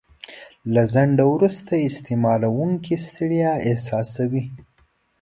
له ځنډه وروسته استعمالوونکی ستړیا احساسوي.